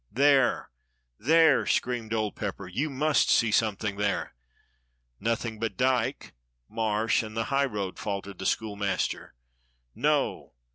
"There, there!" screamed old Pepper. "You must see something there!" "Nothing but dyke, marsh, and the highroad," fal tered the schoolmaster. "No!